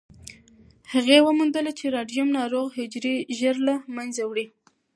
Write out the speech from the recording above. هغې وموندله چې راډیوم ناروغ حجرې ژر له منځه وړي.